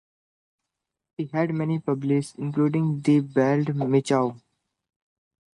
He had many pupils including Theobald Michau.